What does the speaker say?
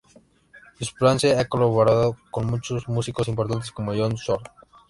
Spruance ha colaborado con muchos músicos importantes, como John Zorn.